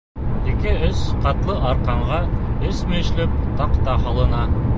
Ике-өс ҡатлы арҡанға өсмөйөшләп таҡта һалына.